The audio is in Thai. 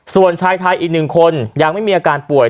ส่วนชายไทยอีก๑คนยังไม่มีอาการป่วย